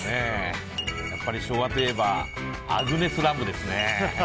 やっぱり昭和といえばアグネス・ラムですね。